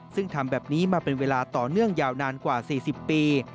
ซึ่งทำแบบนี้มาเป็นเวลาต่อเนื่องยาวนานกว่า๔๐ปี